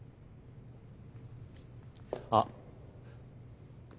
あっ。